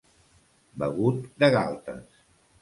Begut de galtes.